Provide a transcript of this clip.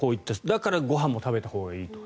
だからご飯も食べたほうがいいと。